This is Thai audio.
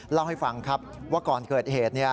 เล่าให้ฟังครับว่าก่อนเกิดเหตุ